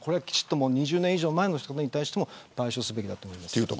２０年以上前のものに対しても賠償すべきだと思います。